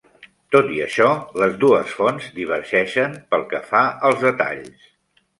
Tot i això, les dues fonts divergeixen pel que fa als detalls.